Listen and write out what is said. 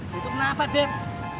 situ kenapa det